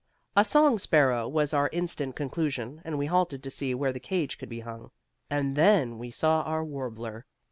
A song sparrow, was our instant conclusion, and we halted to see where the cage could be hung. And then we saw our warbler.